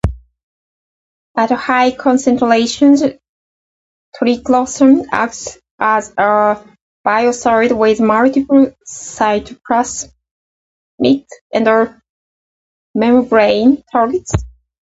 At high concentrations, triclosan acts as a biocide with multiple cytoplasmic and membrane targets.